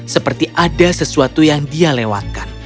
seperti ada sesuatu yang dia lewatkan